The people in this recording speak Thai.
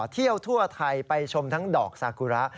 เที่ยวทั่วไทยไปชมทั้งดอกซากุระ